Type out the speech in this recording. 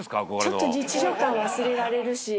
ちょっと日常感忘れられるし。